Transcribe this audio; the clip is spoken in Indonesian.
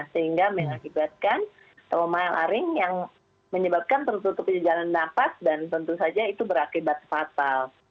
sehingga mengakibatkan trauma yang laring yang menyebabkan tertutupnya jalan nafas dan tentu saja itu berakibat fatal